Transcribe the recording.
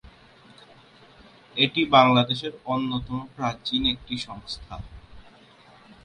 এটি বাংলাদেশের অন্যতম প্রাচীন একটি সংস্থা।